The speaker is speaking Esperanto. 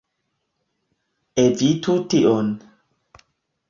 Evitu tion!